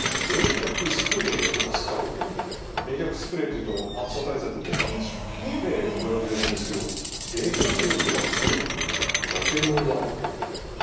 冷却スプレーというと暑さ対策で売られているものですけど冷却力は強くてもやけどには効くのかな。